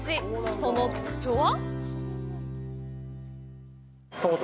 その特徴は？